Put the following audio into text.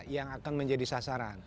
yang akan menjadi sasaran